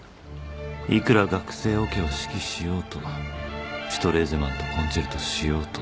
いくら学生オケを指揮しようとシュトレーゼマンとコンチェルトしようと